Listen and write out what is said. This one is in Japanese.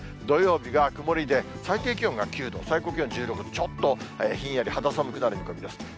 土曜日が曇りで、最低気温が９度、最高気温１０度とちょっとひんやり、肌寒くなる見込みです。